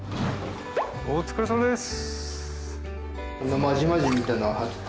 お疲れさまです！